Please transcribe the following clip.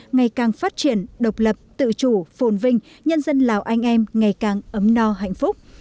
ngày càng phát triển độc lập tự chủ phồn vinh nhân dân lào anh em ngày càng ấm no hạnh phúc